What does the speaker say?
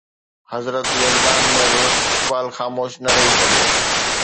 حضرت يزدان ۾ به اقبال خاموش نه رهي سگهيو